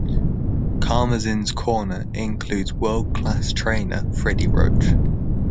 Karmazin's corner includes world-class trainer Freddie Roach.